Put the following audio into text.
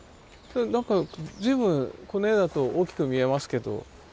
何か随分この絵だと大きく見えますけど。